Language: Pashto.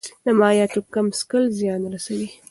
د مایعاتو کم څښل زیان رسوي.